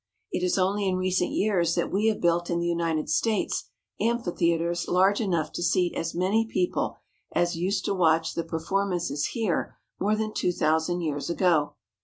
It is only in recent years that we have built in the United States amphitheatres large enough to seat as many people as used to watch the performances here more than two thousand years ago.